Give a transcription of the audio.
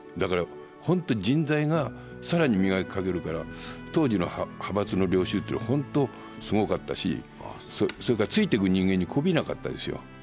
本当に人材が更に磨きがかかるから当時の派閥の領袖って本当にすごかったしそれから、ついていく人間にこびなかったですよ。